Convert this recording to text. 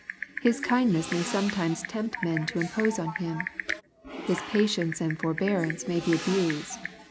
His kindness may sometimes tempt men to impose on him. His patience and forbearance may be abused.